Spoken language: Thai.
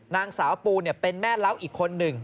นางสาวปูเป็นแม่เล้าอีกคนหนึ่ง